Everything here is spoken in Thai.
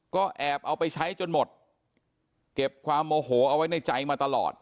ก็แอบเอาไปใช้จนหมดเก็บความโมโหเอาไว้ในใจมาตลอด